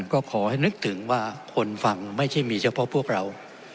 ก็ขอให้นึกถึงว่าคนฟังไม่ใช่มีเฉพาะพวกเรา